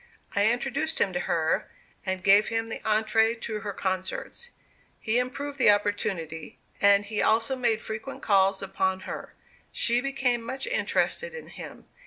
I introduced him to her, and gave him the entrée to her concerts. He improved the opportunity, and he also made frequent calls upon her. She became much interested in him.